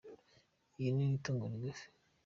ihene ni itungo rigufi